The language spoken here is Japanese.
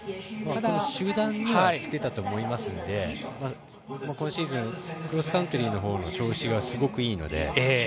集団にはつけたと思いますので今シーズンクロスカントリーのほうの調子がすごく、いいので。